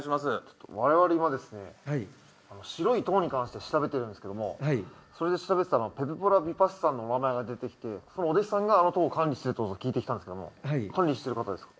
我々今ですね白い塔に関して調べてるんですけども調べてたらペルポラ・ビパッシさんのお名前が出てきてお弟子さんがあの塔を管理してるってこと聞いてきたんですけども管理してる方ですか？